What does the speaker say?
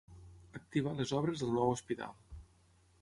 Activar les obres del nou hospital.